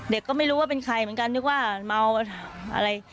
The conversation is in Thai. เด็กก็ไม่รู้ว่าเป็นใครเหมือนกันนึกว่าเมาอะไร